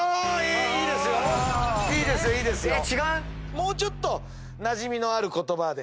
もうちょっとなじみのある言葉で。